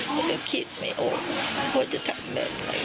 เขาก็คิดไหมโอ๊ดว่าจะทำแบบไหน